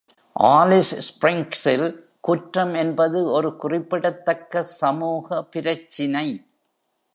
Alice ஸ்பிரிங்ஸில் குற்றம் என்பது ஒரு குறிப்பிடத்தக்க சமூக பிரச்சினை.